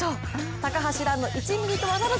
高橋藍の１ｍｍとはならず。